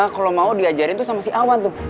kalau mau diajarin tuh sama si awan tuh